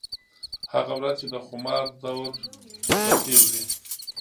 هغه ورځ چې د خومار دَور به تېر وي